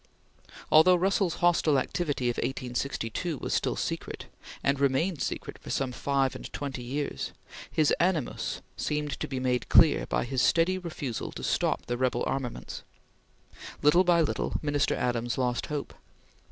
Although Russell's hostile activity of 1862 was still secret and remained secret for some five and twenty years his animus seemed to be made clear by his steady refusal to stop the rebel armaments. Little by little, Minister Adams lost hope.